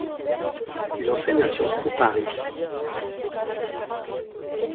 Il enseigne à Sciences-po Paris.